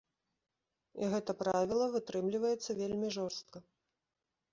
І гэта правіла вытрымліваецца вельмі жорстка.